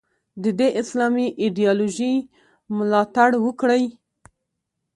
د دې اسلامي ایدیالوژۍ ملاتړ وکړي.